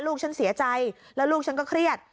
ลูกฉันเสียใจแล้วลูกฉันก็เครียด